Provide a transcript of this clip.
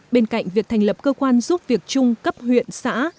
bên cạnh việc thành lập cơ quan giúp việc chung cấp huyện xã